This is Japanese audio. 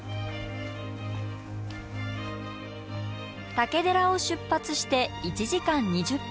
竹寺を出発して１時間２０分。